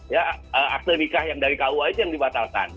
ya akte nikah yang dari kua itu yang dibatalkan